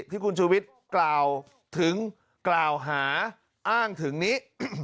ที่คุณชูวิทย์กล่าวถึงกล่าวหาอ้างถึงนี้